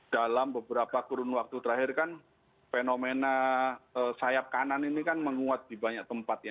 dalam beberapa kurun waktu terakhir kan fenomena sayap kanan ini kan menguat di banyak tempat ya